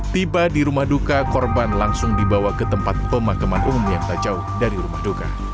tiba di rumah duka korban langsung dibawa ke tempat pemakaman umum yang tak jauh dari rumah duka